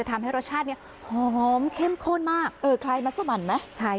ทำให้รสชาติเนี่ยหอมเข้มข้นมากเออคล้ายมัสมันไหมใช่